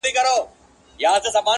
• یو مي زړه نه دی چي تا باندي فِدا دی..